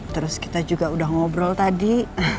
terus kita juga udah ngobrol tadi